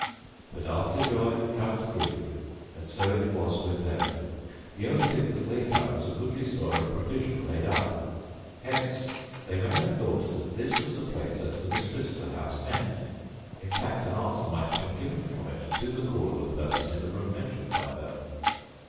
But after joy comes grief; and so it was with them. The only thing that they found was a goodly store of provision laid up. Hence they may have thought that this was the place that the mistress of the house meant; in fact, an answer might have been given from it to the call of a person in the room mentioned by her.